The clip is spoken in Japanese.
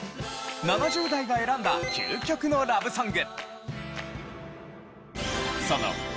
７０代が選んだ究極のラブソング。